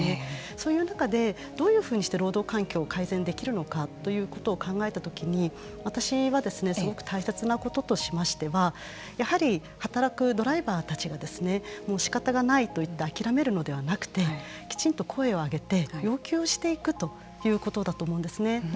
そういう中でどういうふうにして労働環境を改善できるのかということを考えた時に私はすごく大切なこととしましてはやはり働くドライバーたちがしかたがないといって諦めるのではなくてきちんと声を上げて要求をしていくということだと思うんですね。